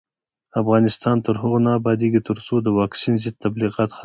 افغانستان تر هغو نه ابادیږي، ترڅو د واکسین ضد تبلیغات ختم نشي.